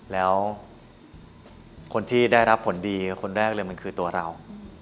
แล้วคนที่ได้รับผลดีคนแรกเลยมันคือตัวเรา